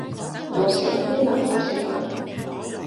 又食埋啲垃圾食物